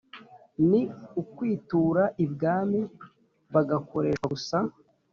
ni ukwitura ibwami bagakoreshwa gusa